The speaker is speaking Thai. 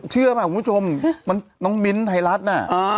เชื่อไหมคุณผู้ชมมันน้องมิ้นท์ไทยรัฐน่ะ